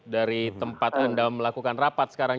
dari tempat anda melakukan rapat sekarang